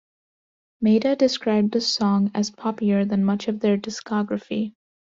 Maida described the song as "poppier" than much of their discography.